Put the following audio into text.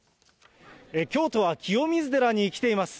京都は清水寺に来ています。